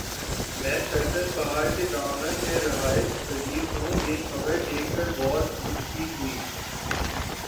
میں چلتن پہاڑ کے دامن میں رہائش پزیر ھوں یہ خبر دیکھ کر بہت خوشی ہوئ